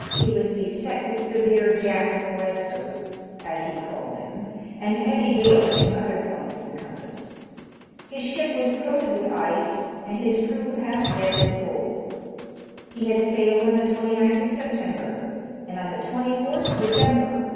He was beset with severe " Jack nor'westers," as he called them, and heavy gales from other points of the compass ; his ship was coated with ice, and his crew half dead with cold ; he had sailed on the 29th of September, and on the 24th of December 86 HAZARDOUS VOYAGES.